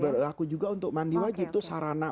berlaku juga untuk mandi wajib tuh sarana